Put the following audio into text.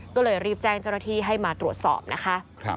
ก็เลยรีบแจ้งเจ้าหน้าที่ให้มาตรวจสอบนะคะ